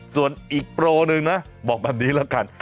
ส่วนอีกโปรหนึ่งนะบอกแบบนี้แล้วกัน